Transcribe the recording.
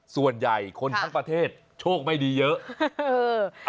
ส่วนใหญ่ประเทศโชคไม่อย่างดีเยอะ